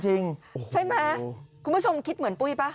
ใช่ไหมคุณผู้ชมคิดเหมือนปุ้ยป่ะ